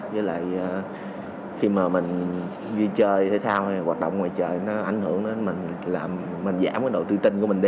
với lại khi mà mình đi chơi thể thao hay hoạt động ngoài trời nó ảnh hưởng đến mình giảm cái độ tư tinh của mình đi